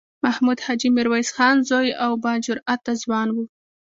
محمود حاجي میرویس خان زوی او با جرئته ځوان و.